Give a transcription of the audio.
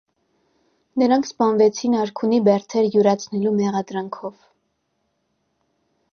Նրանք սպանվեցին արքունի բերդեր յուրացնելու մեղադրանքով։